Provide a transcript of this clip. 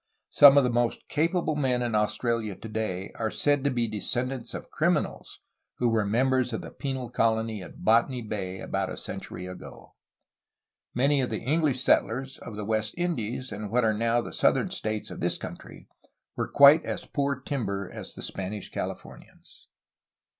Some of the most capable men in Australia today are said to be descendants of criminals who were members of the penal colony at Botany Bay about a century ago. Many of the English settlers of the West Indies and what are now the southern states of this country were quite as poor timber as the Spanish Californians.